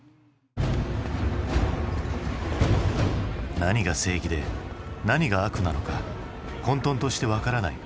何が正義で何が悪なのか混とんとして分からない。